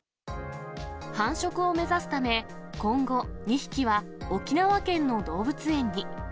繁殖を目指すため、今後、２匹は沖縄県の動物園に。